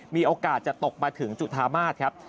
มีโอกาสจะตกมาถึงจุธามาศครับ